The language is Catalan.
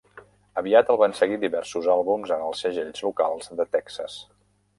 Aviat el van seguir diversos àlbums en els segells locals de Texas.